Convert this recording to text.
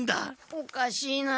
おかしいなあ。